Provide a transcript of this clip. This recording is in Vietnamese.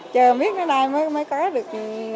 chờ biết nó đây mới có được